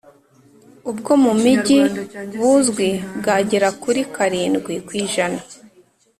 ubwo mu mijyi buzwi bwagera kuri karindwi ku ijana